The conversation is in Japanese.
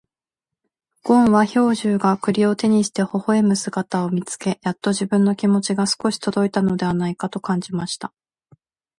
ごんは兵十が栗を手にして微笑む姿を見つけ、やっと自分の気持ちが少し届いたのではないかと感じました。